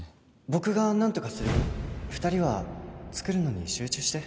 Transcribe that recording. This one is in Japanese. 僕が何とかするよ２人は作るのに集中して